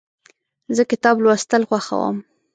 زه کتاب لوستل خوښوم.